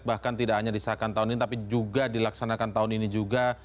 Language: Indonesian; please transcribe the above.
bahkan tidak hanya disahkan tahun ini tapi juga dilaksanakan tahun ini juga